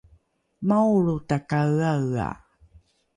maolro takaeaea